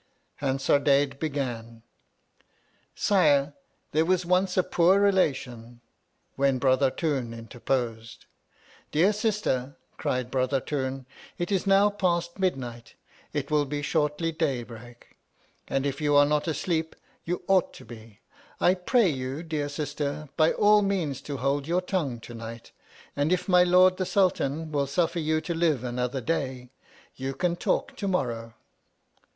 Hansardadade began, Sire, there was once a poor relation — when Brothartoon interposed. Dear sister, cried Brothartoon, it is now past midnight, it will be shortly daybreak, and if you are not asleep, you ought to be. I pray you, dear sister, by all means to hold your tongue to night, and if my Lord the Sultan will suffer you to live another day, you can talk to morrow.